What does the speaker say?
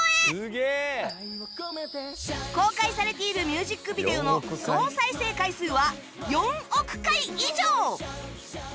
公開されているミュージックビデオも総再生回数は４億回以上！